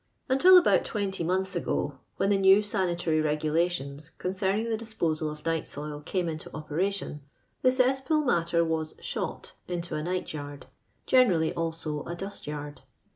Until about twenty months ago, when the new sanitary regulations concerning the dis posal of night soil came into operation, the cesspool matter was shot " in a night yard, generally also a dust yard.